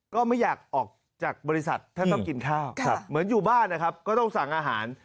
ก็ไม่อยากออกจากบริษัทถ้าต้องกินข้าวเหมือนอยู่บ้านนะครับก็ต้องสั่งอาหาร